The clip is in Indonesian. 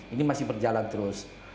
ini masih berjalan terus